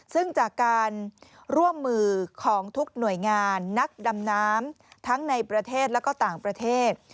ซึ่งจากการร่วมมือของทุกหน่วยงานนักดำน้ำทั้งในประเทศและก็ต่างประเทศ